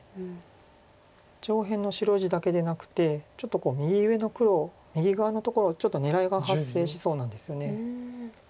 上辺の白地だけでなくてちょっと右上の黒右側のところをちょっと狙いが発生しそうなんですよね。